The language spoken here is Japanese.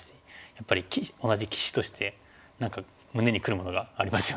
やっぱり同じ棋士として何か胸にくるものがありますよね。